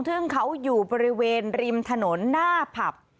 ซึ่งเขาอยู่บริเวณริมถนนหน้าผับ